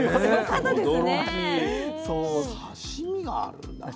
刺身があるんだ。